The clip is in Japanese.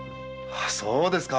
そうですか。